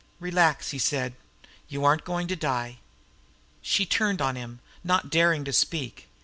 "Relax," he said. "You aren't going to die." She turned on him, not daring to speak.